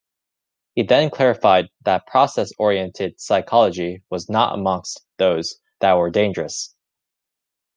He then clarified that process oriented psychology was not amongst those that were dangerous.